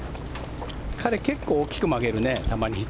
彼は結構大きく曲げるね。